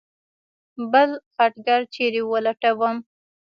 بل خټګر چېرې ولټومه.